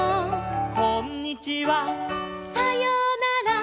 「こんにちは」「さようなら」